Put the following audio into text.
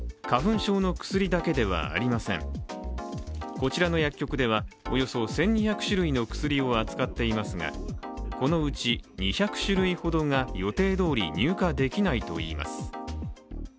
こちらの薬局ではおよそ１２００種類の薬を扱っていますがこのうち２００種類ほどが予定どおり入荷できないといいます。